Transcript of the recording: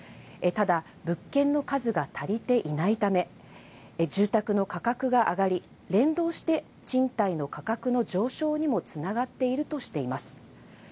ただ、物件の数が足りていないため、住宅の価格が上がり連動して、賃貸の価格の上昇につながっているとしています。